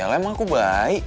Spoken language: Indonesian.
ya elah emang aku baik